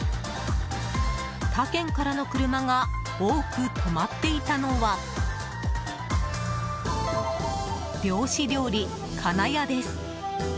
他県からの車が多く止まっていたのは漁師料理かなやです。